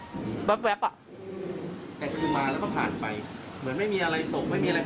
แป๊บอ่ะแกคือมาแล้วก็ผ่านไปเหมือนไม่มีอะไรตกไม่มีอะไร